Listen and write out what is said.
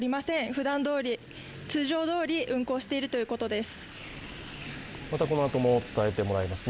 ふだんどおり、通常どおり運行しているということです。